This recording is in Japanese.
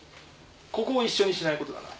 ここを一緒にしないことだな。